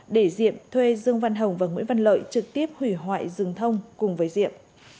để diệm thuê dương văn hồng và nguyễn văn lợi trực tiếp hủy hoại rừng thông cùng với diệm